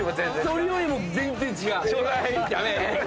それよりも全然違う！